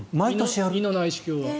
胃の内視鏡は。